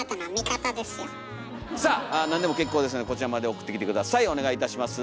さあ何でも結構ですのでこちらまで送ってきて下さいお願いいたします。